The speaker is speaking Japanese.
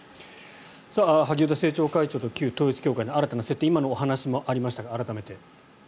萩生田政調会長と旧統一教会の新たな接点今のお話もありましたが改めて。